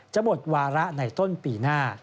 จะหมดวาระในต้นปีหน้า